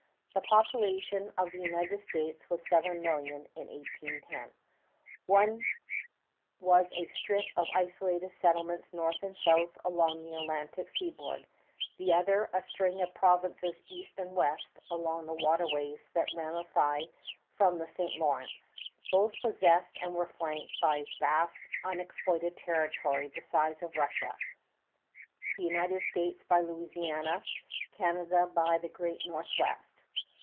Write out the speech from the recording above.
The population of the United States was seven million in 1810. One was a strip of isolated settlements north and south along the Atlantic seaboard; the other, a string of provinces east and west along the waterways that ramify from the St. Lawrence. Both possessed and were flanked by vast unexploited territory the size of Russia; the United States by a Louisiana, Canada by the Great Northwest.